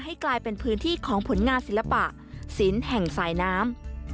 กลายเป็นพื้นที่ของผลงานศิลปะศิลป์แห่งสายน้ำ